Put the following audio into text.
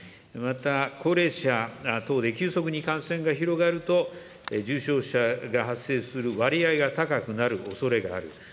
また高齢者等で急速に感染が広がると、重症者が発生する割合が高くなるおそれがある。